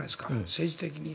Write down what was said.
政治的に。